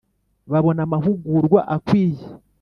Babona amahugurwa akwiye